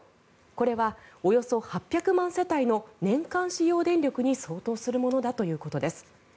これはおよそ８００万世帯の年間使用電力に相当するものだということです。